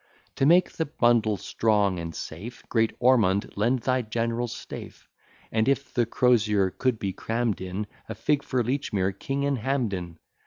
To make the bundle strong and safe, Great Ormond, lend thy general's staff: And, if the crosier could be cramm'd in A fig for Lechmere, King, and Hambden!